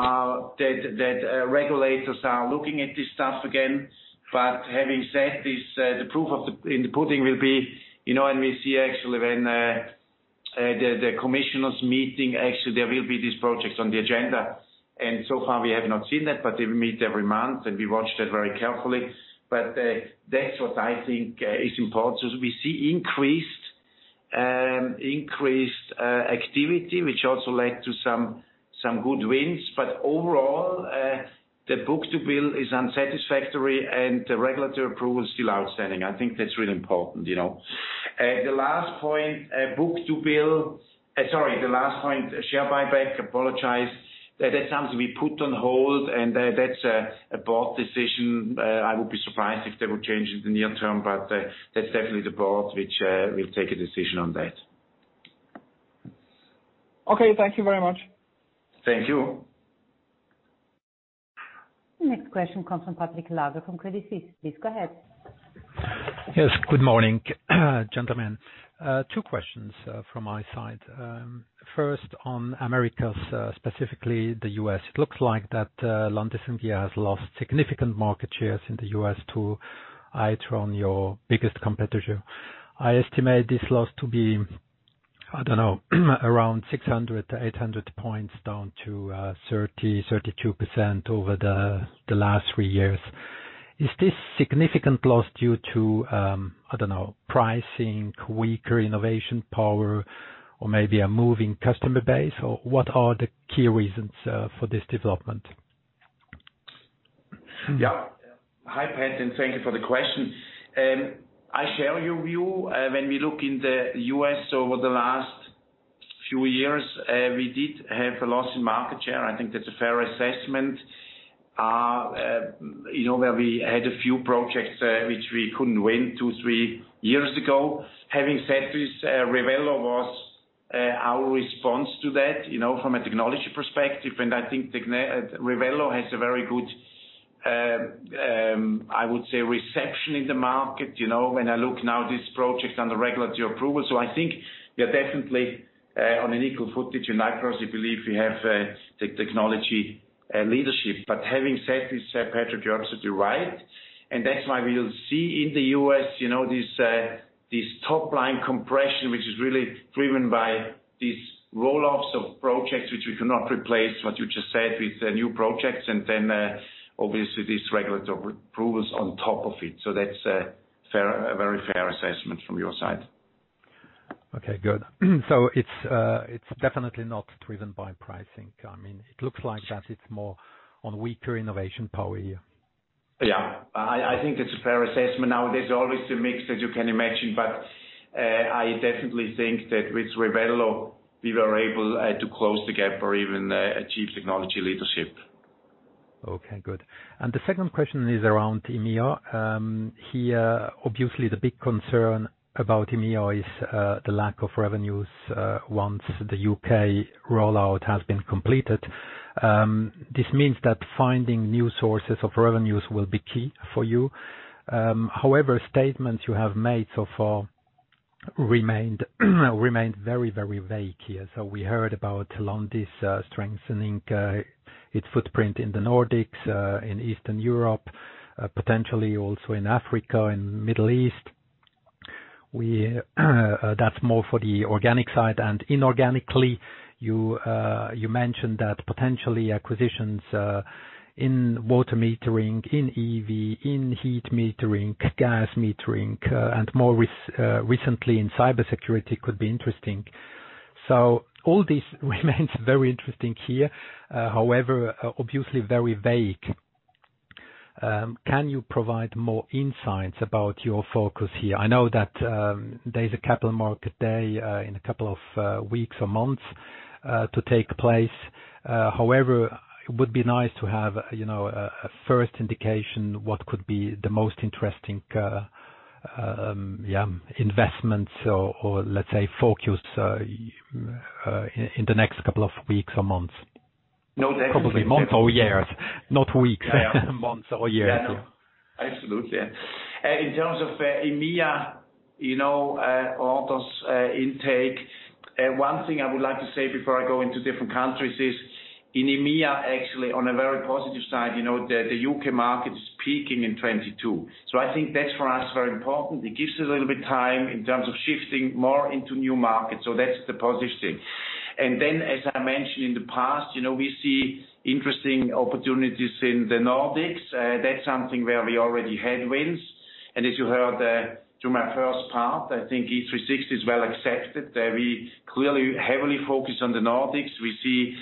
that regulators are looking at this stuff again. Having said this, the proof in the pudding will be, and we see when the commissioner's meeting, there will be these projects on the agenda. So far, we have not seen that, but they will meet every month, and we watch that very carefully. That's what I think is important. We see increased activity, which also led to some good wins. Overall, the book-to-bill is unsatisfactory, and the regulatory approval is still outstanding. I think that's really important. The last point, book-to-bill. Sorry, the last point, share buyback. Apologize. That's something we put on hold, and that's a board decision. I would be surprised if they would change in the near term, but that's definitely the board which will take a decision on that. Okay. Thank you very much. Thank you. The next question comes from Patrick Laager from Credit Suisse. Please go ahead. Yes. Good morning, gentlemen. Two questions from my side. First on Americas, specifically the U.S. It looks like that Landis+Gyr has lost significant market shares in the U.S. to Itron, your biggest competitor. I estimate this loss to be, I don't know, around 600-800 points, down to 30%, 32% over the last three years. Is this significant loss due to, I don't know, pricing, weaker innovation power or maybe a moving customer base? What are the key reasons for this development? Hi, Pat, thank you for the question. I share your view. When we look in the U.S. over the last few years, we did have a loss in market share. I think that's a fair assessment. Where we had a few projects which we couldn't win two, three years ago. Having said this, Revelo was our response to that from a technology perspective. I think Revelo has a very good, I would say, reception in the market. When I look now this project on the regulatory approval, I think we are definitely on an equal footing in itron. We believe we have technology leadership. Having said this, Patrick, you're absolutely right. That's why we'll see in the U.S., this top line compression, which is really driven by these roll-offs of projects which we cannot replace, what you just said, with new projects, and then obviously these regulatory approvals on top of it. That's a very fair assessment from your side. Okay, good. It's definitely not driven by pricing. It looks like that it's more on weaker innovation power here. Yeah. I think it's a fair assessment. Now, there's always a mix, as you can imagine, but I definitely think that with Revelo, we were able to close the gap or even achieve technology leadership. Okay, good. The second question is around EMEA. Here, obviously the big concern about EMEA is the lack of revenues once the U.K. rollout has been completed. This means that finding new sources of revenues will be key for you. However, statements you have made so far remained very vague here. We heard about Landis+Gyr strengthening its footprint in the Nordics, in Eastern Europe, potentially also in Africa and Middle East. That's more for the organic side and inorganically, you mentioned that potentially acquisitions in water metering, in EV, in heat metering, gas metering, and more recently in cybersecurity could be interesting. All this remains very interesting here, however, obviously very vague. Can you provide more insights about your focus here? I know that there's a capital market day in a couple of weeks or months to take place. It would be nice to have a first indication what could be the most interesting investments or, let's say, focus in the next couple of weeks or months. No, definitely. Probably months or years, not weeks. Months or years. Yeah. Absolutely. In terms of EMEA orders intake, one thing I would like to say before I go into different countries is in EMEA, actually, on a very positive side, the U.K. market is peaking in 2022. I think that for us is very important. It gives us a little bit time in terms of shifting more into new markets. That's the positive thing. As I mentioned in the past, we see interesting opportunities in the Nordics. That's something where we already had wins. As you heard through my first part, I think Heat360 is well accepted. We clearly heavily focus on the Nordics. We see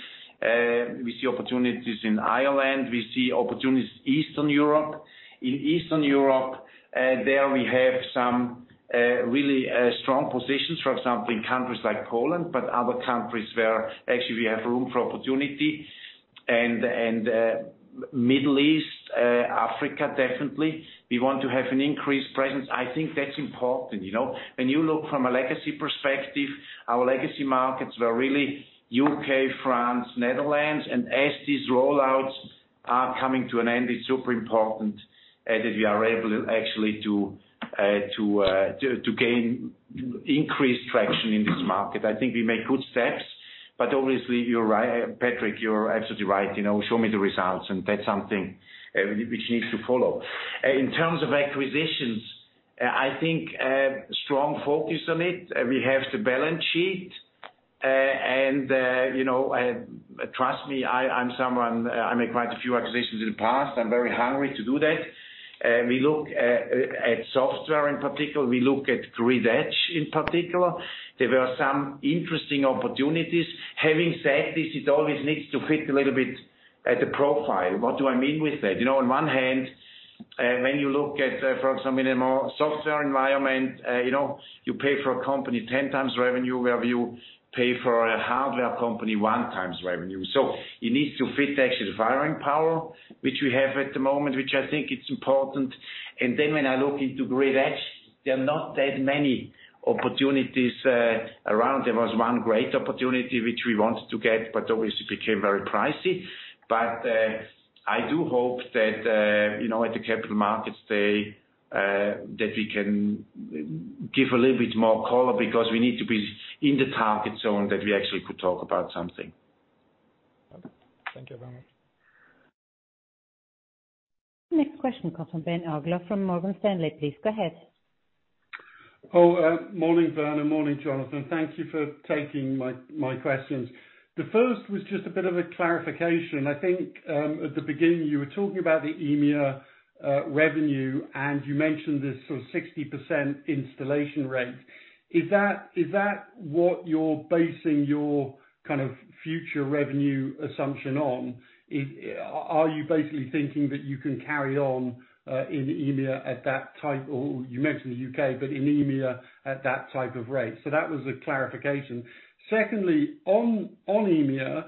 opportunities in Ireland. We see opportunities Eastern Europe. In Eastern Europe, there we have some really strong positions, for example, in countries like Poland, but other countries where actually we have room for opportunity. Middle East, Africa, definitely, we want to have an increased presence. I think that's important. When you look from a legacy perspective, our legacy markets were really U.K., France, Netherlands. As these roll-outs are coming to an end, it's super important that we are able actually to gain increased traction in this market. I think we made good steps, but obviously, you're right, Patrick, you're absolutely right. Show me the results, and that's something which needs to follow. In terms of acquisitions, I think strong focus on it. We have the balance sheet. Trust me, I'm someone, I made quite a few acquisitions in the past. I'm very hungry to do that. We look at software in particular. We look at grid edge in particular. There were some interesting opportunities. Having said this, it always needs to fit a little bit at the profile. What do I mean with that? On one hand, when you look at, for example, in a more software environment, you pay for a company 10x revenue, where you pay for a hardware company one times revenue. It needs to fit actually the firing power which we have at the moment, which I think it's important. When I look into grid edge, there are not that many opportunities around. There was one great opportunity which we wanted to get, but obviously became very pricey. I do hope that at the capital markets day, that we can give a little bit more color because we need to be in the target zone that we actually could talk about something. Thank you very much. Next question comes from Ben Uglow from Morgan Stanley. Please go ahead. Morning, Werner, morning, Jonathan. Thank you for taking my questions. The first was just a bit of a clarification. I think, at the beginning, you were talking about the EMEA revenue, and you mentioned this sort of 60% installation rate. Is that what you're basing your kind of future revenue assumption on? Are you basically thinking that you can carry on in EMEA at that type, or you mentioned the U.K., but in EMEA at that type of rate? That was a clarification. Secondly, on EMEA,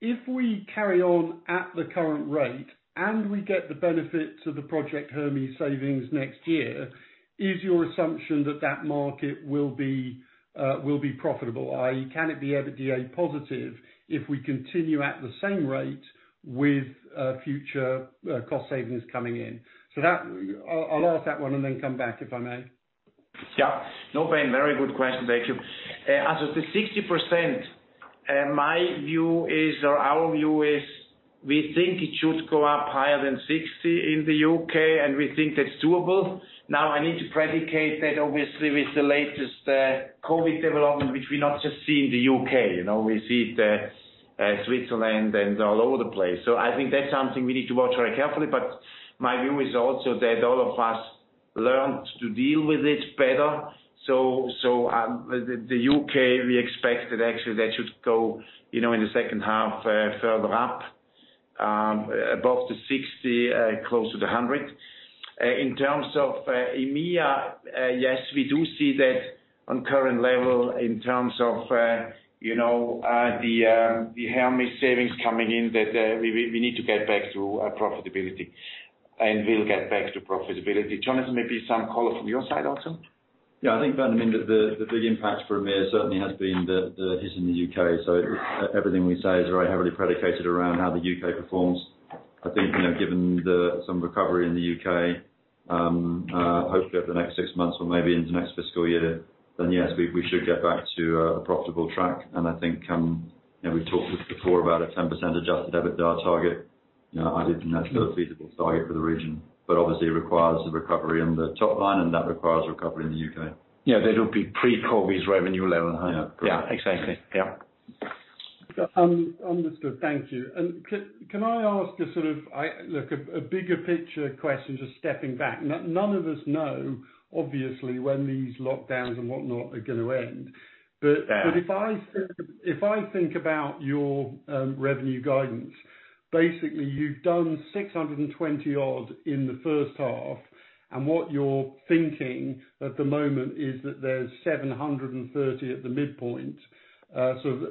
if we carry on at the current rate and we get the benefit of the Project Hermes savings next year, is your assumption that that market will be profitable? Can it be EBITDA positive if we continue at the same rate with future cost savings coming in? I'll ask that one and then come back, if I may. No, Ben, very good question. Thank you. As to the 60%, our view is we think it should go up higher than 60% in the U.K., we think that's doable. I need to predicate that obviously with the latest COVID development, which we not just see in the U.K. We see it Switzerland and all over the place. I think that's something we need to watch very carefully. My view is also that all of us learned to deal with it better. The U.K., we expect that actually that should go in the second half, further up above the 60%, close to the 100%. In terms of EMEA, yes, we do see that on current level in terms of the Hermes savings coming in, that we need to get back to profitability, we'll get back to profitability. Jonathan, maybe some color from your side also? Yeah, I think, Ben, the big impact for EMEA certainly has been the hit in the U.K. Everything we say is very heavily predicated around how the U.K. performs. I think, given some recovery in the U.K., hopefully over the next six months or maybe into next fiscal year, then yes, we should get back to a profitable track. I think, we've talked before about a 10% adjusted EBITDA target. I think that's still a feasible target for the region, but obviously requires a recovery in the top line, and that requires a recovery in the U.K. Yeah. That will be pre-COVID revenue level. Yeah. Great. Yeah, exactly. Yeah. Understood. Thank you. Can I ask a sort of bigger picture question, just stepping back. None of us know, obviously, when these lockdowns and whatnot are going to end. If I think about your revenue guidance, basically you've done 620 odd in the first half, and what you're thinking at the moment is that there's 730 at the midpoint.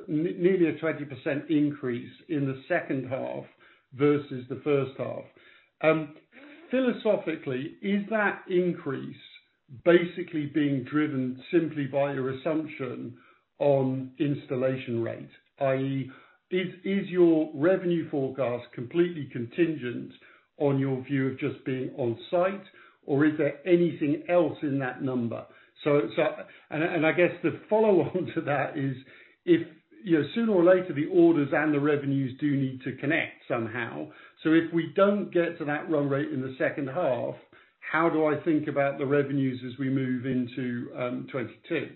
Nearly a 20% increase in the second half versus the first half. Philosophically, is that increase basically being driven simply by your assumption on installation rate? i.e. Is your revenue forecast completely contingent on your view of just being on site, or is there anything else in that number? I guess the follow on to that is, sooner or later, the orders and the revenues do need to connect somehow. If we don't get to that run rate in the H2, how do I think about the revenues as we move into 2022?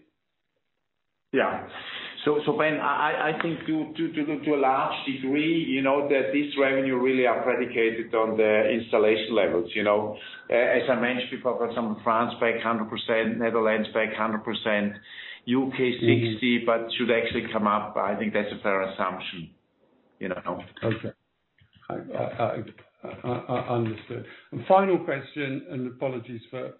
Yeah. Ben, I think to a large degree, that this revenue really are predicated on the installation levels. As I mentioned before, for example, France back 100%, Netherlands back 100%, U.K. 60%, but should actually come up. I think that's a fair assumption. Okay. I understood. Final question, and apologies for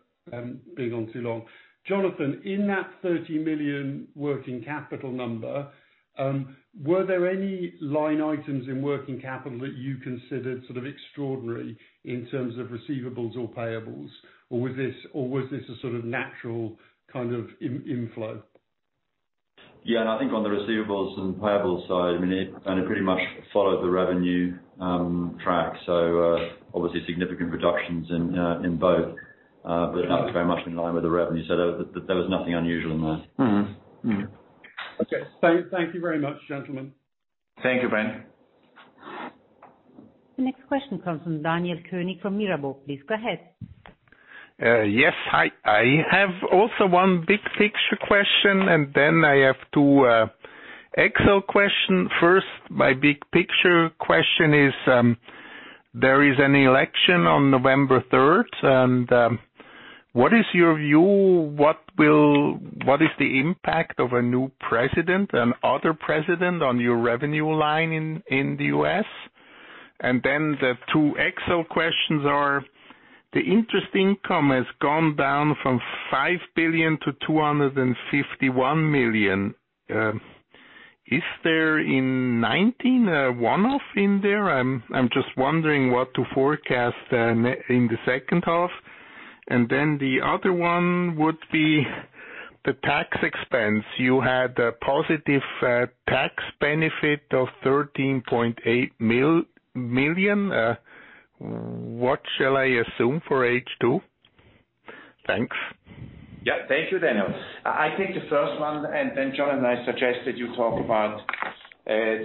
being on too long. Jonathan, in that 30 million working capital number, were there any line items in working capital that you considered sort of extraordinary in terms of receivables or payables, or was this a sort of natural kind of inflow? Yeah, I think on the receivables and payables side, it kind of pretty much followed the revenue track. Obviously significant reductions in both, but that was very much in line with the revenue. There was nothing unusual in that. Mm-hmm. Okay. Thank you very much, gentlemen. Thank you, Ben. The next question comes from Daniel Koenig from Mirabaud. Please go ahead. Yes. I have also one big picture question, and then I have two Excel question. First, my big picture question is, there is an election on November 3rd, and what is your view? What is the impact of a new president, an other president on your revenue line in the U.S.? The two Excel questions are, the interest income has gone down from $5 billion to $251 million. Is there in 2019, a one-off in there? I'm just wondering what to forecast in the second half. The other one would be the tax expense. You had a positive tax benefit of $13.8 million. What shall I assume for H2? Thanks. Yeah. Thank you, Daniel. I take the first one, and then Jonathan, I suggest that you talk about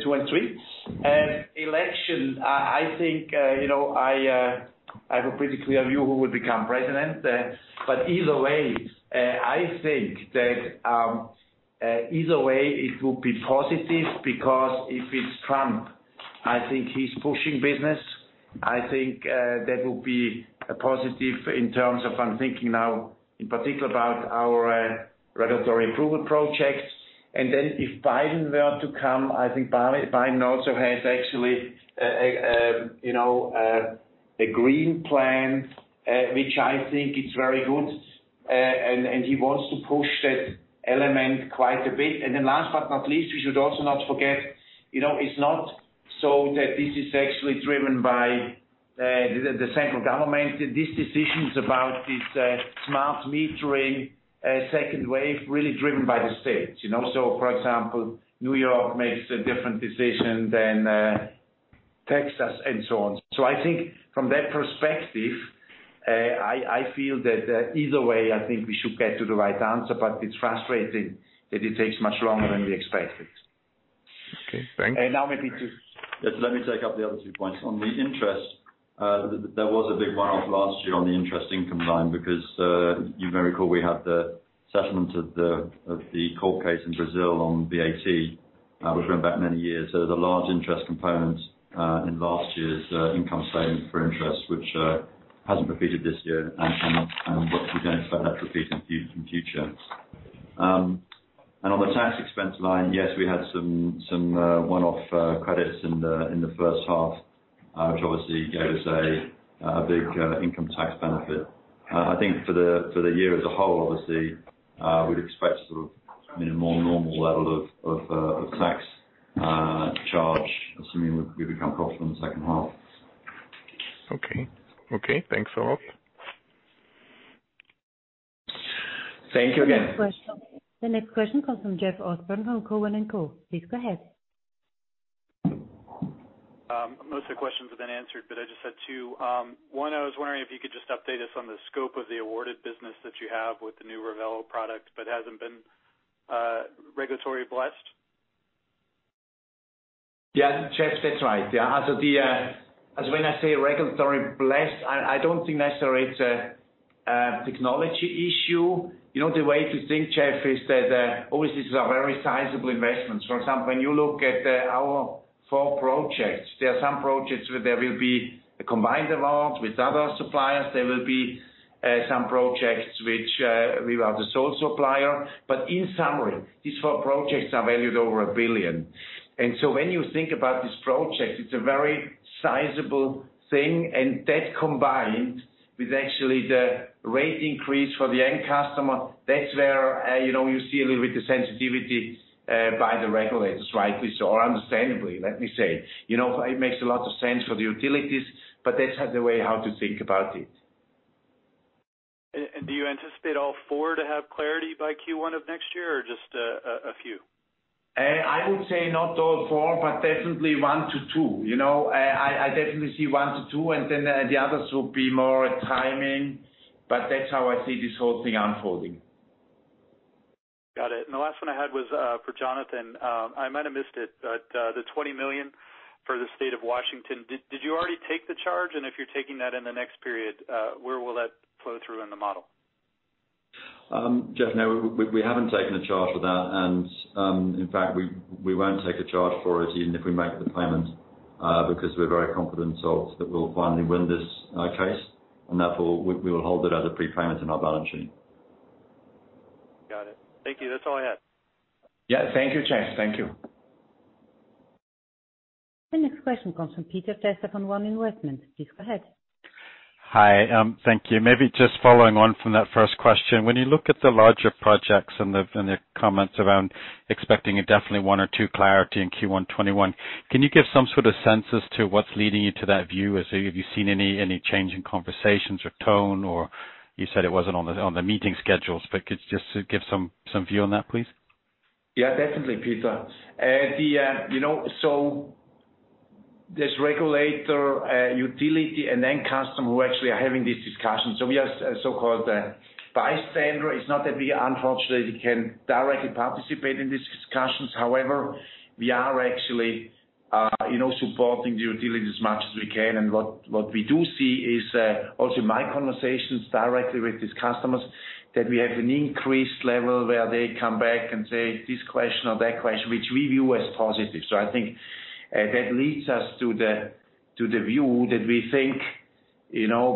two and three. Election, I think I have a pretty clear view who will become president. Either way, I think that either way it will be positive, because if it's Trump, I think he's pushing business. I think that will be a positive in terms of, I'm thinking now in particular about our regulatory approval projects. If Biden were to come, I think Biden also has actually a green plan, which I think it's very good. He wants to push that element quite a bit. Last but not least, we should also not forget, it's not so that this is actually driven by the central government. These decisions about this smart metering second wave really driven by the states. For example, New York makes a different decision than Texas, and so on. I think from that perspective, I feel that either way, I think we should get to the right answer, but it's frustrating that it takes much longer than we expected. Okay, thanks. Let me take up the other two points. On the interest, there was a big one-off last year on the interest income line because, you very recall, we had the settlement of the court case in Brazil on VAT, which went back many years. There's a large interest component in last year's income statement for interest, which hasn't repeated this year and what we don't expect that to repeat in future. On the tax expense line, yes, we had some one-off credits in the first half, which obviously gave us a big income tax benefit. I think for the year as a whole, obviously, we'd expect sort of a more normal level of tax charge, assuming we become cost in the second half. Okay. Thanks a lot. Thank you again. The next question. The next question comes from Jeff Osborne from Cowen and Co. Please go ahead. Most of the questions have been answered, but I just had two. One, I was wondering if you could just update us on the scope of the awarded business that you have with the new Revelo product, but hasn't been regulatory blessed. Yeah, Jeff, that's right. Yeah. As when I say regulatory blessed, I don't think necessarily it's a technology issue. The way to think, Jeff, is that, obviously, these are very sizable investments. For example, when you look at our four projects, there are some projects where there will be a combined amount with other suppliers. There will be some projects which we are the sole supplier. In summary, these four projects are valued over $1 billion. When you think about this project, it's a very sizable thing. That combined with actually the rate increase for the end customer, that's where you see a little bit the sensitivity by the regulators, rightly so, or understandably, let me say. It makes a lot of sense for the utilities, that's the way how to think about it. Do you anticipate all four to have clarity by Q1 of next year or just a few? I would say not all four, but definitely one to two. I definitely see one to two, and then the others will be more timing, but that's how I see this whole thing unfolding. Got it. The last one I had was for Jonathan. I might have missed it, but the $20 million for the state of Washington, did you already take the charge? If you're taking that in the next period, where will that flow through in the model? Jeff, no, we haven't taken a charge for that. In fact, we won't take a charge for it even if we make the payment, because we're very confident that we'll finally win this case, and therefore, we will hold it as a prepayment in our balance sheet. Got it. Thank you. That's all I had. Yeah. Thank you, Jeff. Thank you. The next question comes from Peter Feser from Ron Investment. Please go ahead. Hi. Thank you. Maybe just following on from that first question. When you look at the larger projects and the comments around expecting definitely one or two clarity in Q1 2021, can you give some sort of sense as to what's leading you to that view? Have you seen any change in conversations or tone, or you said it wasn't on the meeting schedules, but could you just give some view on that, please? Yeah, definitely, Peter. This regulator, utility, and end customer who actually are having these discussions. We are so-called bystander. It's not that we, unfortunately, can directly participate in these discussions. However, we are actually supporting the utility as much as we can. What we do see is, also my conversations directly with these customers, that we have an increased level where they come back and say this question or that question, which we view as positive. I think that leads us to the view that we think,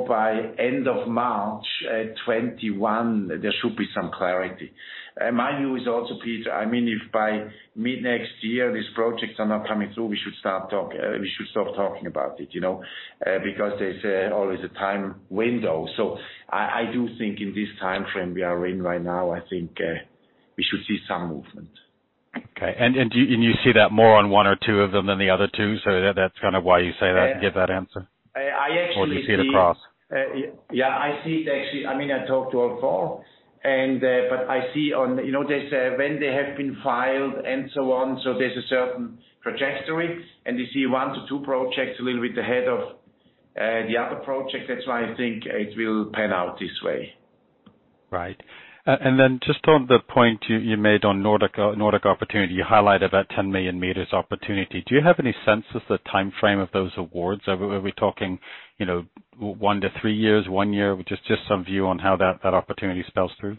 by end of March 2021, there should be some clarity. My view is also, Peter, if by mid-next year these projects are not coming through, we should stop talking about it. Because there's always a time window. I do think in this timeframe we are in right now, I think we should see some movement. Okay. You see that more on one or two of them than the other two? That's kind of why you say that and give that answer? I actually see. Do you see it across? Yeah, I see it actually. I talk to all four. I see when they have been filed and so on, so there's a certain trajectory, and we see one to two projects a little bit ahead of the other projects. That's why I think it will pan out this way. Right. Then just on the point you made on Nordic opportunity, you highlighted about 10 million meters opportunity. Do you have any sense of the timeframe of those awards? Are we talking one to three years, one year? Just some view on how that opportunity spells through.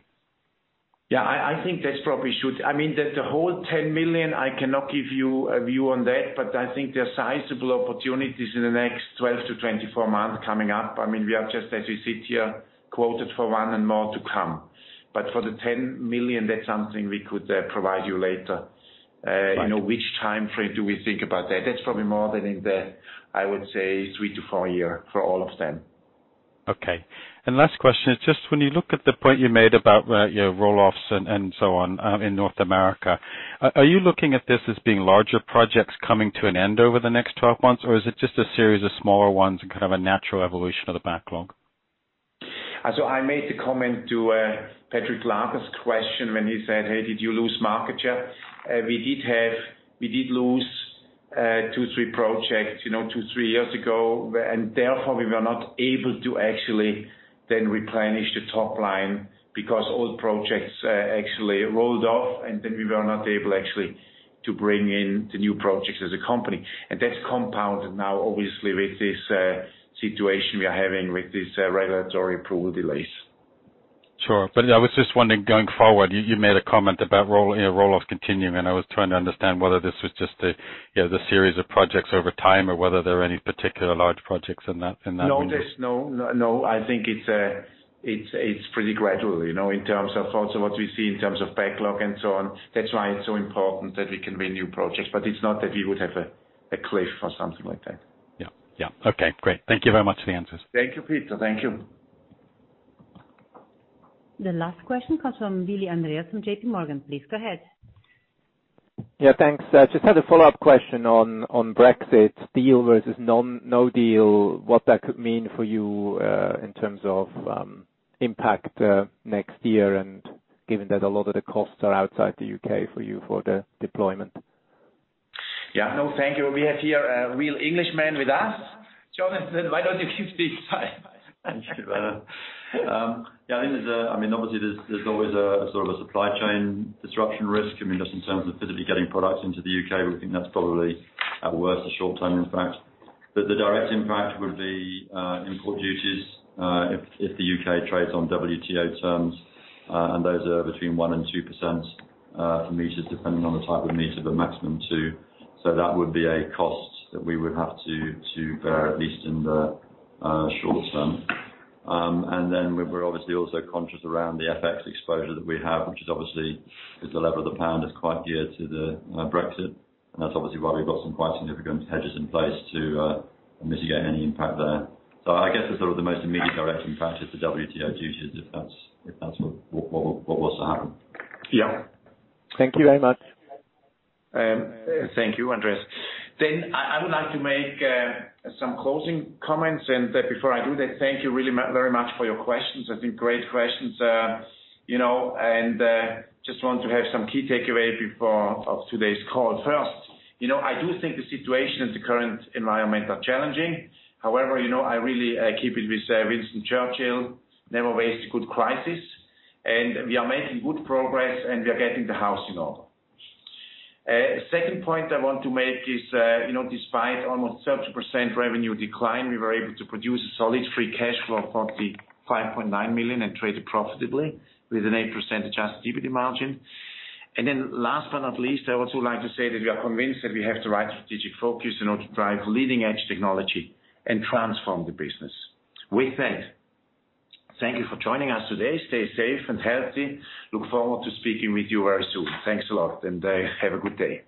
Yeah, I think that probably should. The whole $10 million, I cannot give you a view on that, but I think there are sizable opportunities in the next 12-24 months coming up. We are just, as we sit here, quoted for one and more to come. For the $10 million, that's something we could provide you later. Which timeframe do we think about that? That's probably more than in the, I would say, three to four year for all of them. Okay. Last question is just when you look at the point you made about your roll-offs and so on in North America, are you looking at this as being larger projects coming to an end over the next 12 months, or is it just a series of smaller ones and kind of a natural evolution of the backlog? I made the comment to Patrick Laager's question when he said, "Hey, did you lose market share?" We did lose two, three projects two, three years ago, and therefore we were not able to actually then replenish the top line because old projects actually rolled off, and then we were not able, actually, to bring in the new projects as a company. That's compounded now, obviously, with this situation we are having with these regulatory approval delays. Sure. I was just wondering, going forward, you made a comment about roll-off continuing, and I was trying to understand whether this was just the series of projects over time or whether there are any particular large projects in that window. I think it's pretty gradual, in terms of also what we see in terms of backlog and so on. That's why it's so important that we can win new projects. It's not that we would have a cliff or something like that. Yeah. Okay, great. Thank you very much for the answers. Thank you, Peter. Thank you. The last question comes from Andreas Willi from J.P. Morgan. Please go ahead. Yeah. Thanks. Just had a follow-up question on Brexit deal versus no deal, what that could mean for you, in terms of impact next year, and given that a lot of the costs are outside the U.K. for you for the deployment. Yeah. No, thank you. We have here a real Englishman with us. Jonathan, why don't you speak? Thank you. There's always a sort of a supply chain disruption risk, just in terms of physically getting products into the U.K. We think that's probably at worst a short-term impact. The direct impact would be import duties, if the U.K. trades on WTO terms, and those are between 1%-2% for meters, depending on the type of meter, but maximum 2%. That would be a cost that we would have to bear, at least in the short term. We're obviously also conscious around the FX exposure that we have, which obviously is the level of the pound is quite geared to the Brexit, and that's obviously why we've got some quite significant hedges in place to mitigate any impact there. I guess the sort of the most immediate direct impact is the WTO duties, if that's what was to happen. Yeah. Thank you very much. Thank you, Andreas. I would like to make some closing comments, and before I do that, thank you really very much for your questions. I think great questions. Just want to have some key takeaway of today's call. First, I do think the situation and the current environment are challenging. However, I really keep it with Winston Churchill, never waste a good crisis. We are making good progress, and we are getting the house in order. Second point I want to make is, despite almost 30% revenue decline, we were able to produce a solid free cash flow of 45.9 million and traded profitably, with an 8% adjusted EBITDA margin. Last but not least, I also like to say that we are convinced that we have the right strategic focus in order to drive leading-edge technology and transform the business. With that, thank you for joining us today. Stay safe and healthy. Look forward to speaking with you very soon. Thanks a lot. Have a good day.